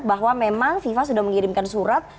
bahwa memang fifa sudah mengirimkan surat